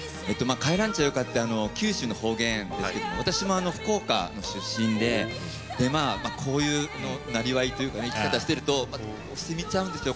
「帰らんちゃよか」って九州の方言なんですけど私も福岡の出身でこういうなりわいというかね生き方してるとしみちゃうんですよ